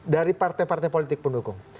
dari partai partai politik pendukung